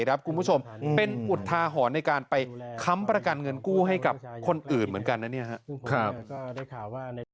คุณผู้ชมเป็นอุทาหรณ์ในการไปค้ำประกันเงินกู้ให้กับคนอื่นเหมือนกันนะเนี่ยครับ